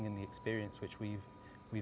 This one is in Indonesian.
dan pengalaman yang kita